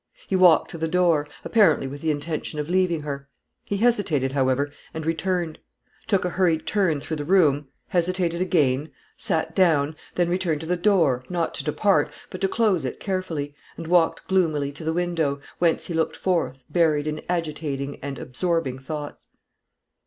He walked to the door, apparently with the intention of leaving her. He hesitated however, and returned; took a hurried turn through the room; hesitated again; sat down; then returned to the door, not to depart, but to close it carefully, and walked gloomily to the window, whence he looked forth, buried in agitating and absorbing thoughts.